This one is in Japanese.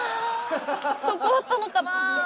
そこだったのかな。